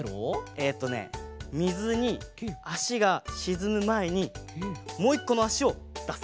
えっとねみずにあしがしずむまえにもういっこのあしをだす！